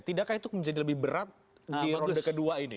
tidakkah itu menjadi lebih berat di ronde kedua ini